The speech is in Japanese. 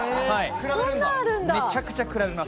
めちゃくちゃ比べます。